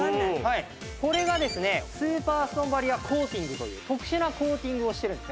これがですねスーパーストーンバリアコーティングという特殊なコーティングをしてるんですね。